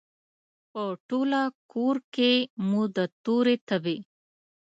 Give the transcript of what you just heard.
په ټوله کورکې کې مو د تورې تبې،